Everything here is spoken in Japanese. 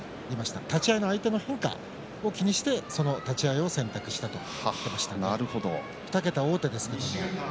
立ち合いの相手の変化を気にしてその立ち合いを選択したということです。